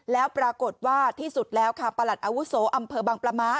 แล้วปรากฏว่าที่สุดแล้วค่ะประหลัดอาวุโสอำเภอบังปลาม้า